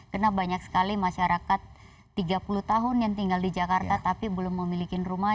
karena banyak sekali masyarakat tiga puluh tahun yang tinggal di jakarta tapi belum memiliki rumah